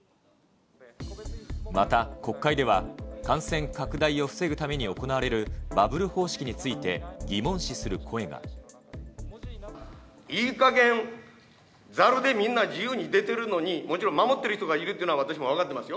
また、国会では感染拡大を防ぐために行われるバブル方式について、いいかげん、ざるでみんな自由に出ているのでもちろん守っている人がいるっていうのは、私も分かってますよ。